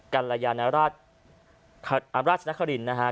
กัณฑราชนครินทร์นะฮะ